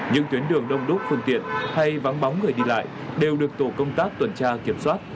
những tuyến đường đông đúc phương tiện hay vắng bóng người đi lại đều được tổ công tác tuần tra kiểm soát